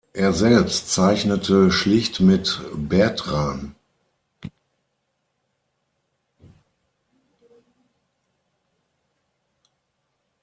Er selbst zeichnete schlicht mit „Bertran“.